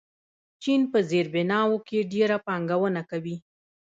چین په زیربناوو کې ډېره پانګونه کوي.